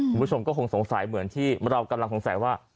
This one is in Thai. คุณผู้ชมก็คงสงสัยเหมือนที่เรากำลังสงสัยว่า